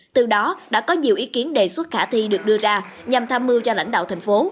từ đó đã có nhiều ý kiến đề xuất khả thi được đưa ra nhằm tham mưu cho lãnh đạo thành phố